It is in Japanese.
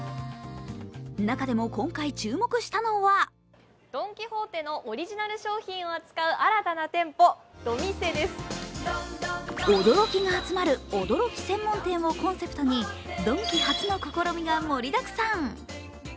中でも今回、注目したのは驚きが集まるおドろき専門店をコンセプトにドンキ初の試みが盛りだくさん。